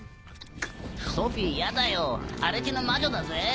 ソフィーイヤだよ荒地の魔女だぜ。